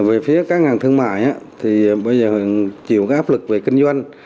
về phía các ngân hàng thương mại thì bây giờ chịu áp lực về kinh doanh